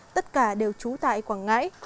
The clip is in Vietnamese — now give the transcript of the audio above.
tất cả đều trú tại quảng ngãi